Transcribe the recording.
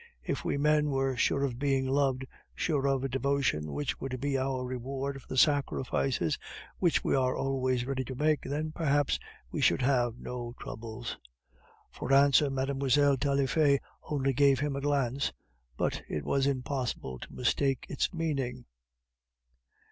"If we men were sure of being loved, sure of a devotion which would be our reward for the sacrifices which we are always ready to make, then perhaps we should have no troubles." For answer Mlle. Taillefer only gave him a glance but it was impossible to mistake its meaning.